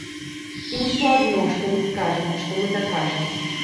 Ім усё адно, што мы скажам, што мы дакажам.